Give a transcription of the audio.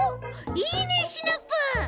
いいねシナプー。